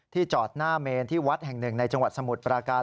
จอดหน้าเมนที่วัดแห่งหนึ่งในจังหวัดสมุทรปราการ